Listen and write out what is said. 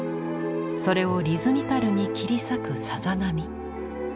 それをリズミカルに切り裂くさざなみ。